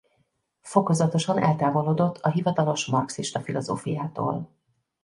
Fokozatosan eltávolodott a hivatalos marxista filozófiától.